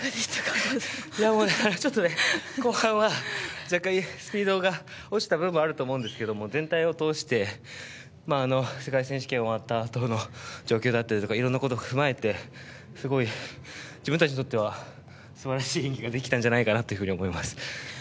ちょっとね、後半は若干、スピードが落ちた部分があったと思いますが全体を通して世界選手権終わったあとの状況だったりとかいろんなことを踏まえてすごい、自分たちにとっては素晴らしい演技ができたと思います。